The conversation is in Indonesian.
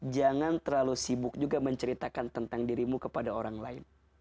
jangan terlalu sibuk juga menceritakan tentang dirimu kepada orang lain